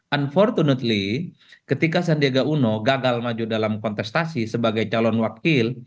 unfortu notely ketika sandiaga uno gagal maju dalam kontestasi sebagai calon wakil